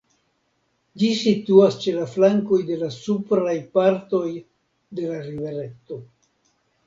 Ĝi situas ĉe la flankoj de la supraj partoj de la rivereto.